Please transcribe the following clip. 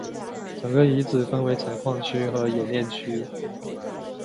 整个遗址分为采矿区和冶炼区。